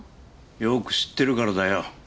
よく知ってるからだよ。